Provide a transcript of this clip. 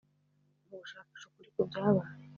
mu gushakisha ukuri ku byabaye